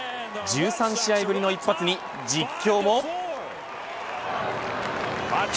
１３試合ぶりの一発に実況も。